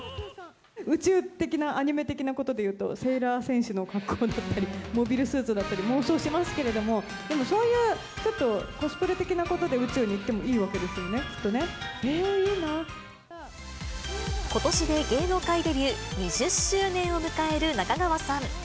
宇宙的なアニメ的なことで言うと、セーラー戦士の格好だったり、モビルスーツだったり、妄想しますけれども、でもそういう、ちょっとコスプレ的なことで宇宙に行ってもいいわけですよね、ことしで芸能界デビュー２０周年を迎える中川さん。